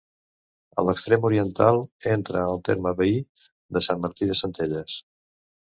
A l'extrem oriental, entra en el terme veí de Sant Martí de Centelles.